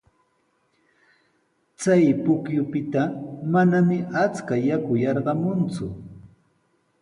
Chay pukyupita manami achka yaku yarqamunku.